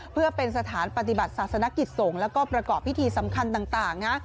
เพื่อเป็นสถานปฏิบัติศาสนกิจสงฆ์แล้วก็ประกอบพิธีสำคัญต่างนะ